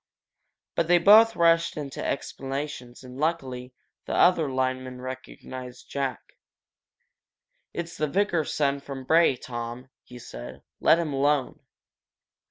But they both rushed into explanations, and luckily, the other lineman recognized Jack. "It's the vicar's son from Bray, Tom," he said. "Let him alone."